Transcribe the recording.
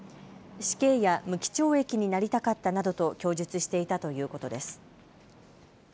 死刑や無期懲役になりたかったなどと供述していたということです。